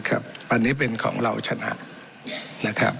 อันนี้เป็นของเราชนะ